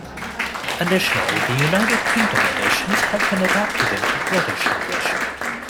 Additionally, the United Kingdom editions have been adapted into British English.